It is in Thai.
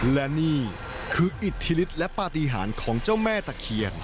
และนี่คืออิทธิฤทธิและปฏิหารของเจ้าแม่ตะเคียน